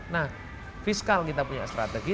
nah fiskal kita punya strategi